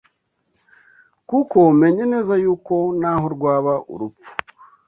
Kuko menye neza yuko naho rwaba urupfu